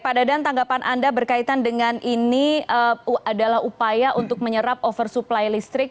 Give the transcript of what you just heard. pak dadan tanggapan anda berkaitan dengan ini adalah upaya untuk menyerap oversupply listrik